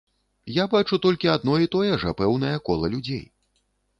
Я бачу толькі адно і тое жа пэўнае кола людзей.